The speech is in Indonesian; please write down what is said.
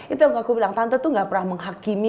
itu yang aku bilang tante tuh gak pernah menghakimi